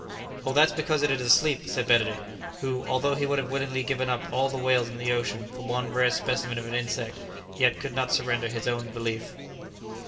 "Oh, that's because it is asleep," said Benedict, who, although he would have willingly given up all the whales in the ocean for one rare specimen of an insect, yet could not surrender his own belief.